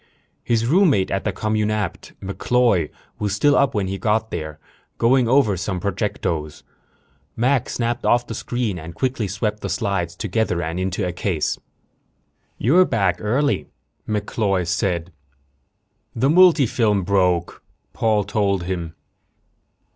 His roommate at the communapt, MacCloy, was still up when he got there, going over some projectos. Mac snapped off the screen and quickly swept the slides together and into a case. "You're back early," MacCloy said. "The multifilm broke," Paul told him.